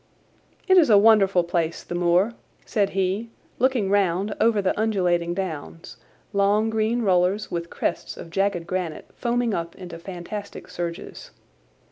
"It is a wonderful place, the moor," said he, looking round over the undulating downs, long green rollers, with crests of jagged granite foaming up into fantastic surges.